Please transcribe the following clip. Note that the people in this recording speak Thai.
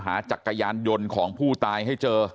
ส่วนเรื่องทางคดีนะครับตำรวจก็มุ่งไปที่เรื่องการฆาตฉิงทรัพย์นะครับ